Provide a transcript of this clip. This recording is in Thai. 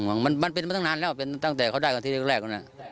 ห่วงมันเป็นมาตั้งนานแล้วตั้งแต่เขาได้กันทีแรก